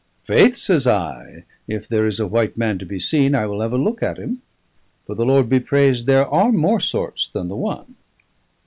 "Faith," says I, "if there is a white man to be seen, I will have a look at him; for, the Lord be praised! there are more sorts than the one!"